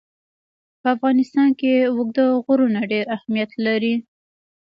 په افغانستان کې اوږده غرونه ډېر اهمیت لري.